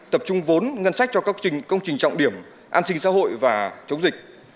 tập trung vốn ngân sách cho các công trình trọng điểm an sinh xã hội và chống dịch